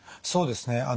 そうですね。